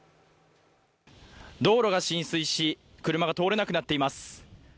道路が浸水し、車が通れなくなっています。